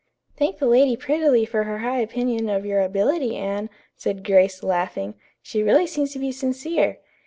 "Thank the lady prettily for her high opinion of your ability, Anne," said Grace, laughing. "She really seems to be sincere."